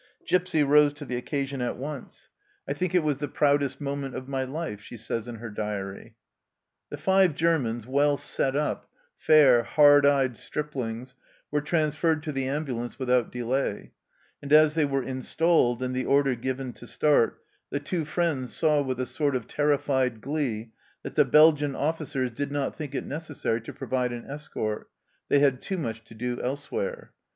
Gipsy rose to the occasion at once. 10 74 THE CELLAR HOUSE OF PERVYSE " I think it was the proudest moment of my life," she says in her diary. The five Germans, well set up, fair, hard eyed striplings, were transferred to the ambulance with out delay, and as they were installed and the order given to start the two friends saw with a sort of terrified glee that the Belgian officers did not think it necessary to provide an escort ; they had too much to do elsewhere.